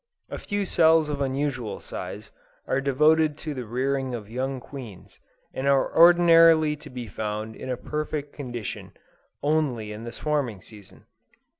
A few cells of unusual size, are devoted to the rearing of young queens, and are ordinarily to be found in a perfect condition, only in the swarming season.